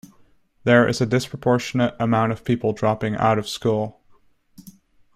There is a disproportionate amount of people dropping out of school.